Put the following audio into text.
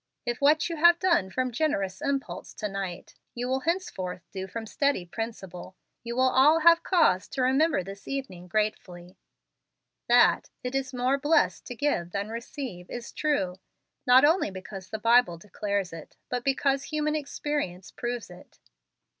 If what you have done from generous impulse to night you will henceforth do from steady principle, you will all have cause to remember this evening gratefully. That 'it is more blessed to give than receive' is true, not only because the Bible declares it, but because human experience proves it."